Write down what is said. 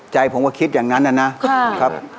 ใจผมก็คิดอย่างนั้นนะครับ